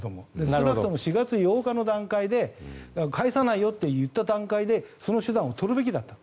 少なくとも４月８日の段階返さないよと言った段階でその手段をとるべきだった。